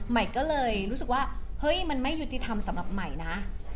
ใหม่ก็เลยรู้สึกว่าเฮ้ยมันไม่ยุติธรรมสำหรับใหม่นะ